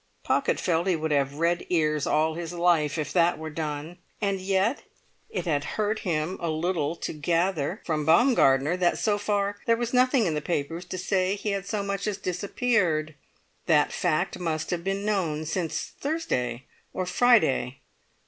Pocket felt he would have red ears all his life if that were done; and yet it had hurt him a little to gather from Baumgartner that so far there was nothing in the papers to say he had so much as disappeared. That fact must have been known since Thursday or Friday.